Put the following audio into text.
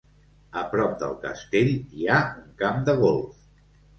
A prop del castell hi ha un camp de golf.